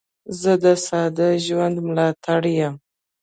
زه د ساده ژوند ملاتړی یم.